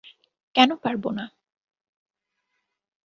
কেন পারব না?